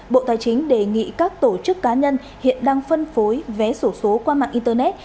bộ tài chính đề nghị các tổ chức cá nhân hiện đang phân phối vé sổ số qua mạng internet